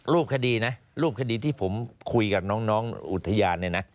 รูปคดีนะรูปคดีที่ผมคุยกับน้องอุทยานเนี่ยนะ